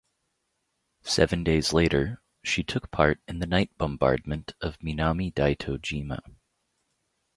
Seven days later she took part in the night bombardment of Minami Daito Jima.